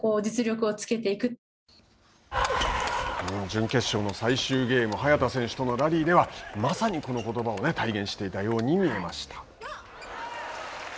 準決勝の最終ゲーム早田選手とのラリーではまさにこのことばを体現していたように見えました。